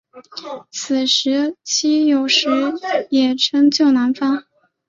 此时期有时也称旧南方。